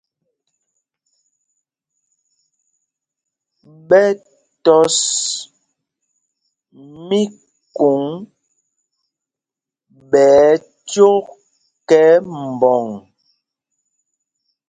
Ɓɛ tɔs míkôŋ ɓɛ ɛcók ɛ mbɔŋ.